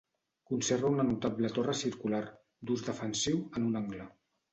Conserva una notable torre circular, d'ús defensiu, en un angle.